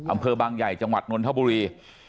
อำเภอบางใหญ่จังหวัดนนทบุรี